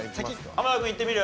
濱田君いってみる？